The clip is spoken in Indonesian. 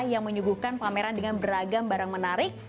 yang menyuguhkan pameran dengan beragam barang menarik